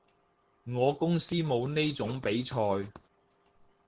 我公司冇呢種比賽